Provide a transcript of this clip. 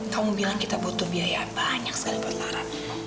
kamu bilang kita butuh biaya banyak sekali buat lara